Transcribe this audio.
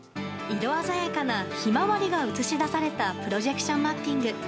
色鮮やかなヒマワリが映し出されたプロジェクションマッピング。